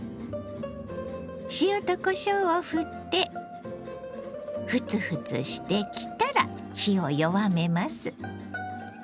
塩とこしょうをふってフツフツしてきたら火を弱めます。